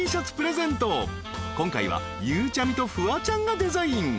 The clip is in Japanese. ［今回はゆうちゃみとフワちゃんがデザイン］